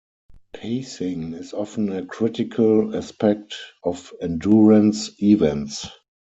Pacing is often a critical aspect of endurance events.